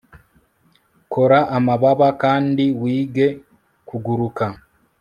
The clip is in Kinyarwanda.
kora amababa kandi wige kuguruka